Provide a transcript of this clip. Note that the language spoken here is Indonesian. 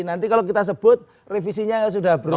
nanti kalau kita sebut revisi nya sudah berubah